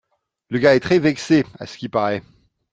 le gars est très vexé à ce qu'il parait.